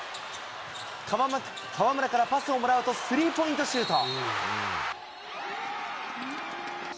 河村からパスをもらうとスリーポイントシュート。